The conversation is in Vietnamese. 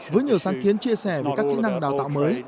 với nhiều sáng kiến chia sẻ về các kỹ năng đào tạo mới